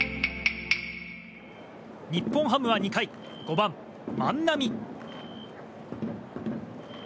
日本ハムは２回５番、万波。